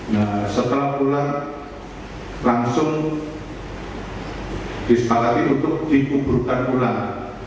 nah setelah pulang langsung disepakati untuk dikuburkan ulang